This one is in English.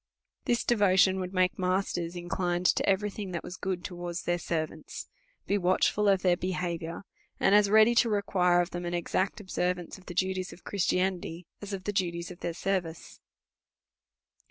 This devotion would make masters inclined to every thing that was good towards their servants ; be watchful of their behaviour, and as ready to require of them an exact observance 500 A SERIOUS CALL TO A of the duties of Christianity, as of the duties of their service.